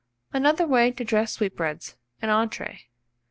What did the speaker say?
ANOTHER WAY TO DRESS SWEETBREADS (an Entree).